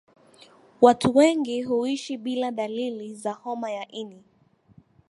watu wengi huishi bila dalili za homa ya ini